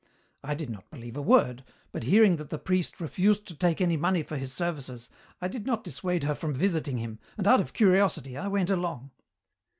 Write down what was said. I did not believe a word, but hearing that the priest refused to take any money for his services I did not dissuade her from visiting him, and out of curiosity I went along.